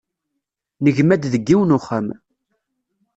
Negma-d deg yiwen uxxam